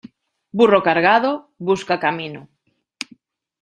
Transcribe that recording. Burro cargado, busca camino.